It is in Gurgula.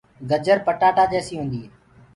گجر پٽآٽآ جيسي هوندي هي۔